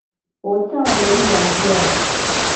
Wo ca wo le yi axue a ?